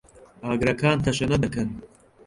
ئاگرەکان تەشەنە دەکەن.